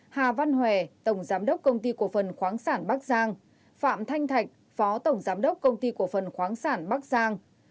hà văn hòe tổng giám đốc công ty cổ phần khoáng sản bắc giang